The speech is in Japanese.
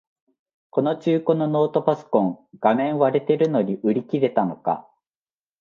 この中古のノートパソコン、画面割れてるのに売り切れたのか